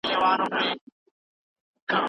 او چې ګیس بل کړي نو په سپینه رڼا